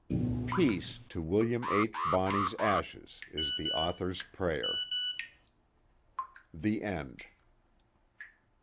Peace to William H. Bonney's ashes, is the author's prayer. THE END.